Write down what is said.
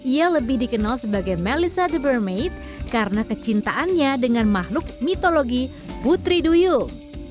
ia lebih dikenal sebagai melissa the bermaid karena kecintaannya dengan makhluk mitologi putri duyung